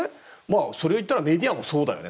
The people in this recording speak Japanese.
それをいったらメディアもそうだよね。